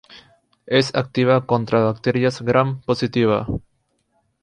Es activa contra bacterias gram-positiva.